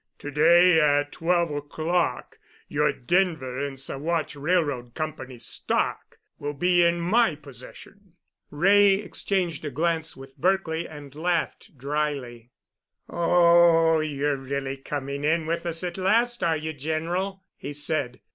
To day at twelve o'clock your Denver and Saguache Railroad Company stock will be in my possession." Wray exchanged a glance with Berkely and laughed dryly. "Oh, you're really coming in with us at last, are you, General?" he said.